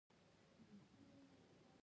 د عاطفې او مهربانۍ په اړه ډېرې کیسې شته.